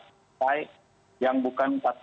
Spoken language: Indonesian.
partai yang bukan